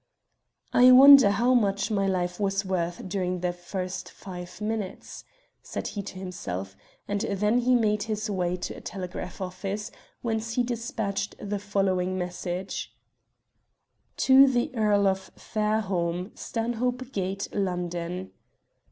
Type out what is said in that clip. "I wonder how much my life was worth during the first five minutes?" said he to himself; and then he made his way to a telegraph office, whence he despatched the following message "TO THE EARL OF FAIRHOLME, "STANHOPE GATE, LONDON.